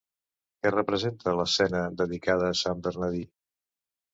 Què representa l'escena dedicada a sant Bernadí?